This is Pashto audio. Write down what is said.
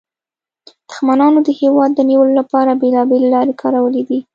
دښمنانو د هېواد د نیولو لپاره بیلابیلې لارې کارولې دي